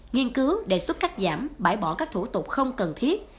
nghiên cứu đề xuất cắt giảm bãi bỏ các thủ tục không cần thiết